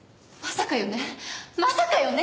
まさかよね？